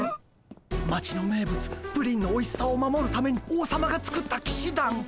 町の名物プリンのおいしさを守るために王様が作ったきしだん。